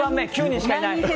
９人しかいない！